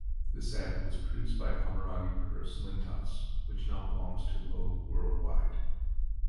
This ad was produced by Ammirati Puris Lintas, which now belongs to Lowe Worldwide.